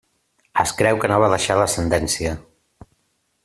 Es creu que no va deixar descendència.